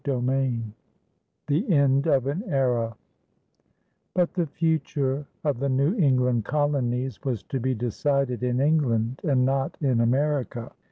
CHAPTER XI THE END OF AN ERA But the future of the New England colonies was to be decided in England and not in America.